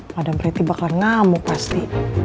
madam pretty bakal ngamuk pasti